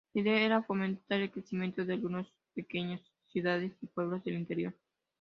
La idea era fomentar el crecimiento de algunas pequeñas ciudades y pueblos del interior.